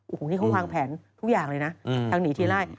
โอ้โหนี่เขาวางแผนทุกอย่างเลยนะทางหนีทีไล่